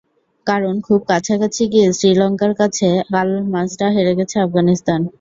কারণ খুব কাছাকাছি গিয়ে শ্রীলঙ্কার কাছে কাল ম্যাচটা হেরে গেছে আফগানিস্তান।